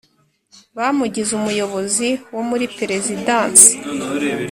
bamugize umuyobozi wo muri perezidansi